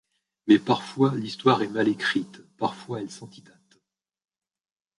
Mais parfois l’Histoire est mal écrite, parfois elle s’antidate.